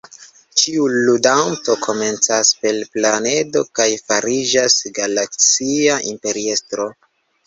Ĉiu ludanto komencas "per planedo" kaj fariĝas galaksia imperiestro.